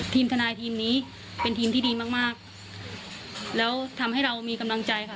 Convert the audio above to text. ทีมทนายทีมนี้เป็นทีมที่ดีมากมากแล้วทำให้เรามีกำลังใจค่ะ